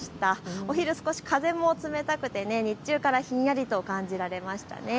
お昼少し風も冷たくて日中からひんやりと感じられました。